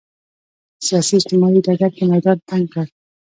سیاسي اجتماعي ډګر کې میدان تنګ کړ